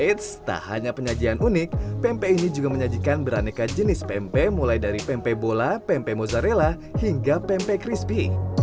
eits tak hanya penyajian unik pempek ini juga menyajikan beraneka jenis pempek mulai dari pempek bola pempek mozzarella hingga pempek crispy